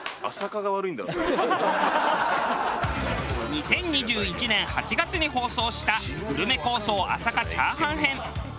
２０２１年８月に放送したグルメ抗争朝霞チャーハン編。